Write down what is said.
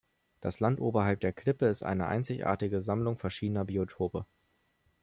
Das Land oberhalb der Klippe ist eine einzigartige Sammlung verschiedener Biotope.